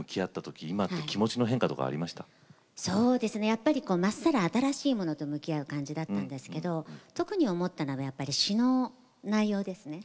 やっぱりこう真っさら新しいものと向き合う感じだったんですけど特に思ったのは詞の内容ですね。